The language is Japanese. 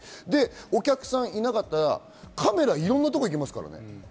お客さんがいなかったらカメラ、いろんなところ来ますからね。